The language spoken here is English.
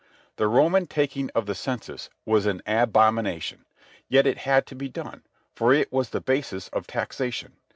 The Roman taking of the census was an abomination. Yet it had to be done, for it was the basis of taxation.